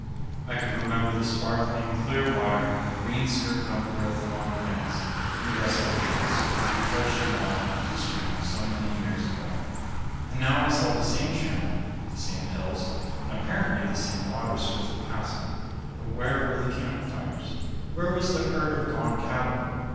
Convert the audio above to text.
I could remember the sparkling, clear water, the green skirt of undergrowth along the banks, and the restful camps, as we trudged along up the stream so many years ago. And now I saw the same channel, the same hills, and apparently the same waters swiftly passing. But where were the camp fires? Where was the herd of gaunt cattle?